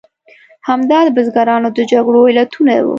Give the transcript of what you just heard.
همدا د بزګرانو د جګړو علتونه وو.